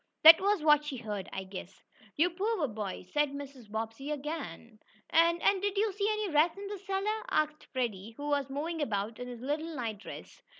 That was what she heard, I guess." "You poor boy!" said Mrs. Bobbsey again. "And and did you see any rats in the cellar?" asked Freddie, who was moving about in his little night dress.